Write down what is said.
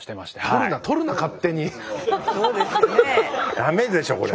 駄目でしょこれ。